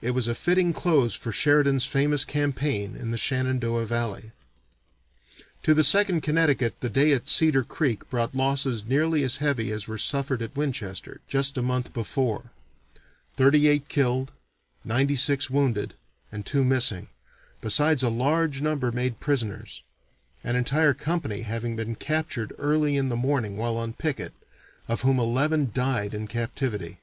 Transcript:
It was a fitting close for Sheridan's famous campaign in the Shenandoah Valley. To the Second Connecticut the day at Cedar Creek brought losses nearly as heavy as were suffered at Winchester just a month before: thirty eight killed, ninety six wounded, and two missing, besides a large number made prisoners, an entire company having been captured early in the morning while on picket, of whom eleven died in captivity.